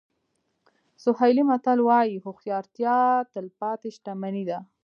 سوهیلي متل وایي هوښیارتیا تلپاتې شتمني ده.